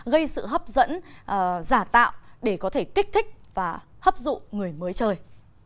gây sự hấp dẫn giả tạo để có thể kích thích và hấp dụng người mới chơi